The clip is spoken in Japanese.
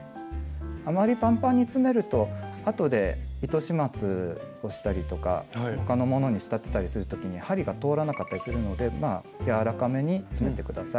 あまりパンパンに詰めるとあとで糸始末をしたりとか他のものに仕立てたりする時に針が通らなかったりするので柔らかめに詰めて下さい。